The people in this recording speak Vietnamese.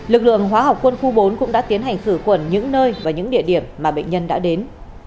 lực lượng hóa học quân khu bốn cũng đã tiến hành khử khuẩn những nơi và những địa điểm mà bệnh nhân đã đến